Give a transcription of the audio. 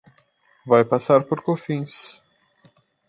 Vai passar por Cofins